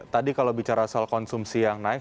tadi kalau bicara soal konsumsi yang naik